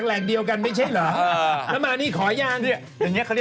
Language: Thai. แตกเฉยโป๊ะแตก